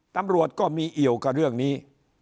ตำรวจก็มีเอี่ยวกับเรื่องนี้